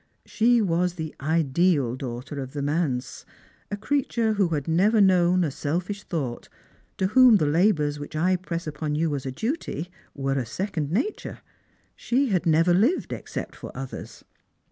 She was the ideal daughter of the manse, a creature who had never known a selfish thought, to whom the labours which I presa upon you as a duty were a second nature. She had never lived except for others.